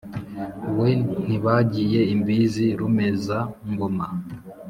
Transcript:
we ntibagiye imbizi rumeza-ngoma